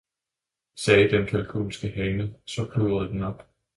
sagde den kalkunske hane og så pludrede den op.